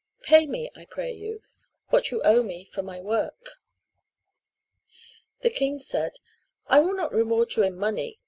Pay me, I pray you, what you owe me for my work." The king said: "I will not reward you in money.